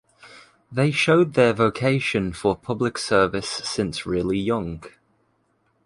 They showed their vocation for public service since really young.